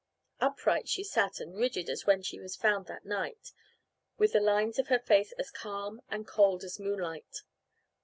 Upright she sat and rigid as when she was found that night, with the lines of her face as calm and cold as moonlight.